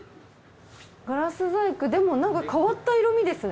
ガラス細工でもなんか変わった色みですね。